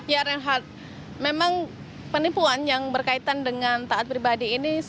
ya reinhardt memang penipuan yang berkaitan dengan taat pribadi ini